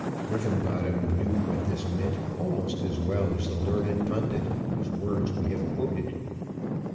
Griffenbottom knew what this meant almost as well as the learned pundit whose words we have quoted.